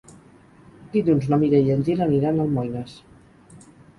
Dilluns na Mira i en Gil aniran a Almoines.